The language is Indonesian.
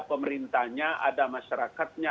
pemerintahnya ada masyarakatnya